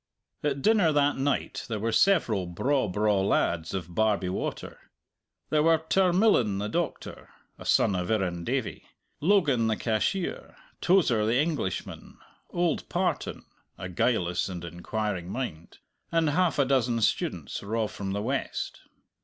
At dinner that night there were several braw, braw lads of Barbie Water. There were Tarmillan the doctor (a son of Irrendavie), Logan the cashier, Tozer the Englishman, old Partan a guileless and inquiring mind and half a dozen students raw from the west.